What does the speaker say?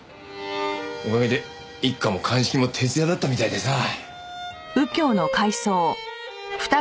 おかげで一課も鑑識も徹夜だったみたいでさ。